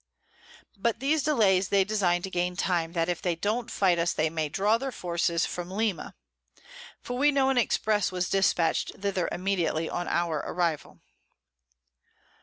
By these Delays they design to gain Time, that if they don't fight us, they may draw their Forces from Lima; for we know an Express was dispatch'd thither immediately on our Arrival.